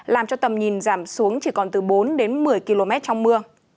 làm cho tầm nhìn giảm xuống chỉ còn từ bốn đến một mươi km trong mưa